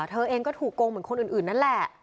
เธอเองก็ถูกโกงเหมือนคนอื่นนั่นแหละ